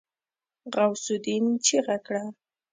غوث االدين چيغه کړه.